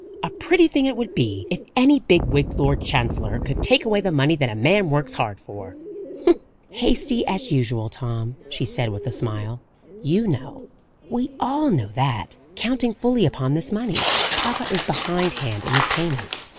A pretty thing it would be if any big wigged Lord Chancellor could take away the money that a man works hard for!" "Hasty, as usual, Tom," she said with a smile. "You know we all know that, counting fully upon this money, papa is behindhand in his payments.